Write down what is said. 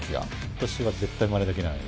私は絶対まねできない。